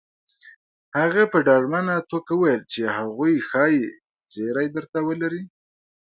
هغه په ډاډمنه توګه وويل چې هغوی ښايي زيری درته ولري